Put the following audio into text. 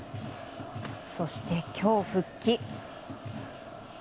そして今日復帰。